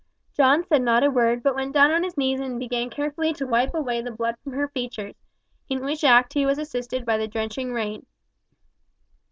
John said not a word, but went down on his knees and began carefully to wipe away the blood from her features, in which act he was assisted by the drenching rain.